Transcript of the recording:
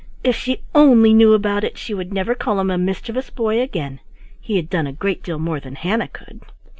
If she only knew about it she would never call him a mischievous boy again. He had done a great deal more than Hannah could.